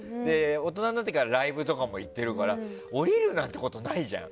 大人になってからライブとかも行ってるから降りるなんてことないじゃん。